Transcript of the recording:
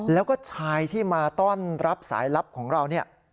แล้วก็ชายที่มาต้อนรับสายลับของเราเนี่ย